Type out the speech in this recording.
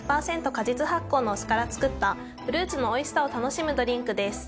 果実発酵のお酢から作ったフルーツのおいしさを楽しむドリンクです。